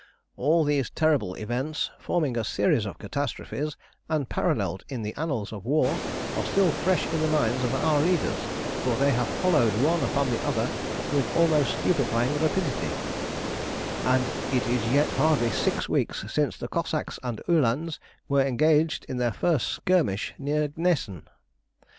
"All these terrible events, forming a series of catastrophes unparalleled in the annals of war, are still fresh in the minds of our readers, for they have followed one upon the other with almost stupefying rapidity, and it is yet hardly six weeks since the Cossacks and Uhlans were engaged in their first skirmish near Gnesen.